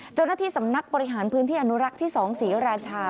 เจ้าหน้าที่สำนักบริหารพื้นที่อนุรักษ์ที่๒ศรีราชา